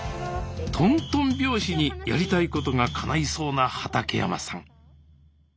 とんとん拍子にやりたいことがかないそうな畠山さん。